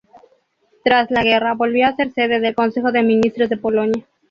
Tras la guerra, volvió a ser sede del Consejo de Ministros de Polonia.